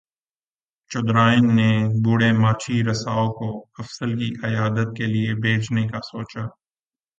چودھرائن نے بوڑھے ماچھی رساؤ کو افضل کی عیادت کے لیے بھیجنے کا سوچا